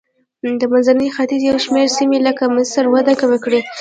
د منځني ختیځ یو شمېر سیمې لکه مصر وده وکړه.